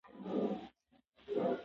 زبون د ذلت او خوارۍ مانا لري.